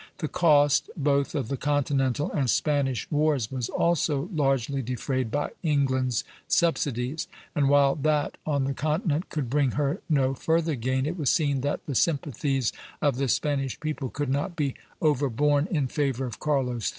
The cost both of the continental and Spanish wars was also largely defrayed by England's subsidies; and while that on the continent could bring her no further gain, it was seen that the sympathies of the Spanish people could not be overborne in favor of Carlos III.